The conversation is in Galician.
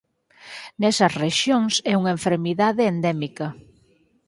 Nesas rexións é unha enfermidade endémica.